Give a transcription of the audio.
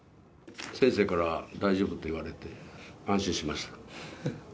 先生から大丈夫って言われて安心しました。